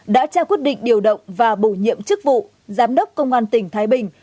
đã trao quyết định điều động và bổ nhiệm chức vụ giám đốc công an tỉnh thái bình